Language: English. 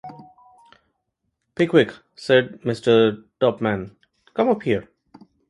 ‘Pickwick,’ said Mr. Tupman; ‘come up here'.